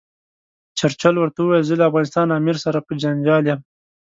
چرچل ورته وویل زه له افغانستان امیر سره په جنجال یم.